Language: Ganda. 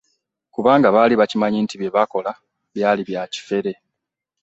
Kubanga baali bakimanyi nti bye baakola byali bya kifere.